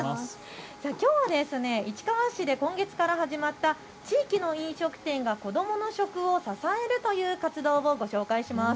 きょうは市川市で今月から始まった地域の飲食店が子どもの食を支えるという活動をご紹介します。